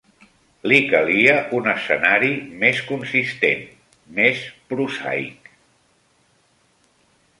Li calia un escenari més consistent, més prosaic